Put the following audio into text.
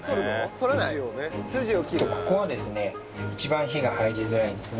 ここはですね一番火が入りづらいんですね